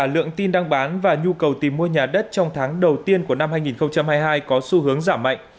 lượng thông tin và nhu cầu tìm mua nhà đất trong tháng đầu tiên của năm hai nghìn hai mươi hai có xu hướng giảm mạnh